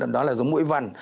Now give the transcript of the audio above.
đó là dòng mũi vằn